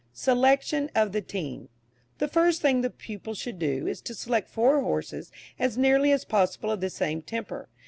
SELECTION OF THE TEAM. The first thing the pupil should do, is to select four horses as nearly as possible of the same temper.